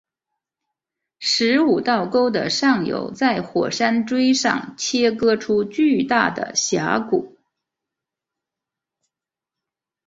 十五道沟的上游在火山锥上切割出巨大的峡谷。